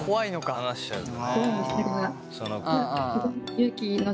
話しちゃうとね。